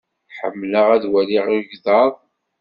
Ḥemmleɣ ad waliɣ igḍaḍ.